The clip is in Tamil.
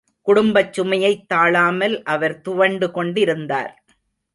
குடும்பச்சுமையைத் தாளாமல் அவர் துவண்டு கொண்டிருந்தார்.